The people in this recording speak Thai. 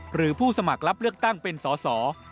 หรือผู้สมัครรับเลือกตั้งเป็นสอสอ